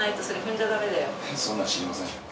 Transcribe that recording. そんなん知りません。